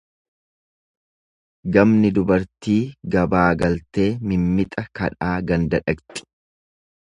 Gamni dubartii gabaa galtee mimmixa kadhaa ganda dhaqxi.